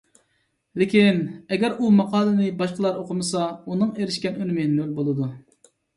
لېكىن، ئەگەر ئۇ ماقالىنى باشقىلار ئوقۇمىسا، ئۇنىڭ ئېرىشكەن ئۈنۈمى نۆل بولىدۇ.